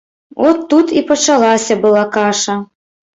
От тут і пачалася была каша!